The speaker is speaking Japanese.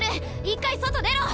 一回外出ろ。